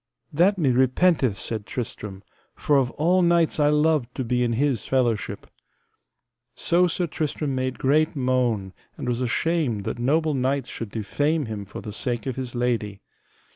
That me repenteth, said Tristram, for of all knights I loved to be in his fellowship. So Sir Tristram made great moan and was ashamed that noble knights should defame him for the sake of his lady.